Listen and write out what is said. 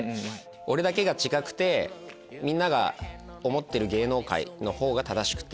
俺だけが違くてみんなが思ってる芸能界の方が正しくて。